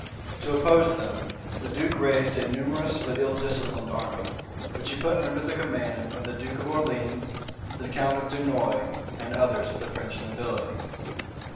To oppose them, the duke raised a numerous but ill disciplined army, which he put under the command of the duke of Orleans, the count of Dunois, and others of the French nobility.